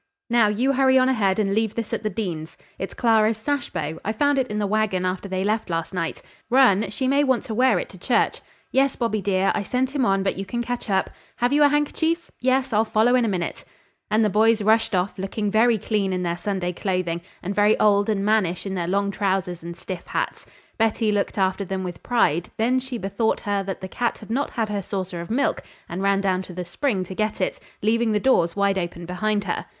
Now, you hurry on ahead and leave this at the Deans'. It's Clara's sash bow. I found it in the wagon after they left last night. Run, she may want to wear it to church. Yes, Bobby, dear, I sent him on, but you can catch up. Have you a handkerchief? Yes, I'll follow in a minute." And the boys rushed off, looking very clean in their Sunday clothing, and very old and mannish in their long trousers and stiff hats. Betty looked after them with pride, then she bethought her that the cat had not had her saucer of milk, and ran down to the spring to get it, leaving the doors wide open behind her.